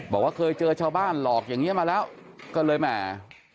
บอกว่าเคยเจอชาวบ้านหลอกอย่างนี้มาแล้วก็เลยแหม